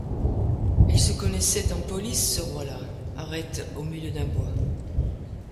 il se connaissait en police, ce roi-là ! arrête au milieu d’un bois.